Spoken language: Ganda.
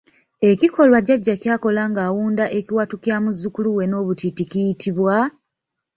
Ekikolwa jjajja kyakola ng'awunda ekiwato kya muzzukulu we n'obutiiti kiyitibwa?